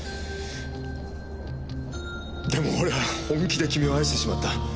でも俺は本気で君を愛してしまった。